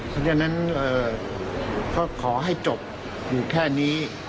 เพราะฉะนั้นก็ขอให้จบอยู่แค่นี้